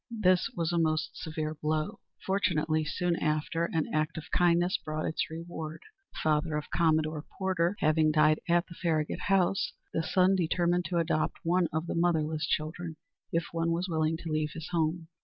This was a most severe blow. Fortunately, soon after, an act of kindness brought its reward. The father of Commodore Porter having died at the Farragut house, the son determined to adopt one of the motherless children, if one was willing to leave his home.